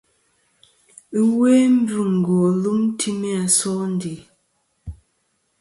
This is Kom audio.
Ɨwe mbvɨngo lum timi a sondè.